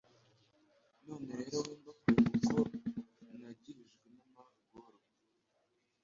None rero wimba kure kuko nagirijwe n’amagorwa